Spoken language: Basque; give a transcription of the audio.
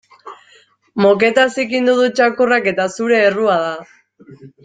Moketa zikindu du txakurrak eta zure errua da.